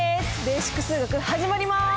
「ベーシック数学」始まります！